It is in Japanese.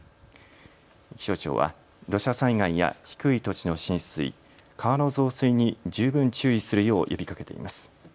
気象庁は土砂災害や低い土地の浸水、川の増水に十分注意するよう呼びかけています。